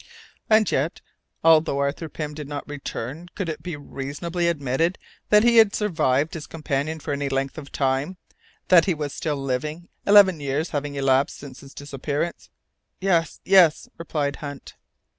"And yet, although Arthur Pym did not return, could it be reasonably admitted that he had survived his companion for any length of time, that he was still living, eleven years having elapsed since his disappearance?" "Yes, yes," replied Hunt.